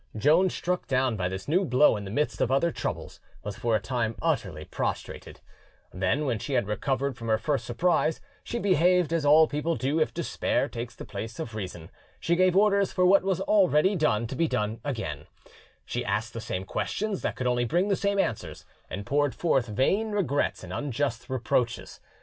Joan, struck down by this new blow in the midst of other troubles, was for a time utterly prostrated; then, when she had recovered from her first surprise, she behaved as all people do if despair takes the place of reason: she gave orders for what was already done to be done again, she asked the same questions that could only bring the same answers, and poured forth vain regrets and unjust reproaches.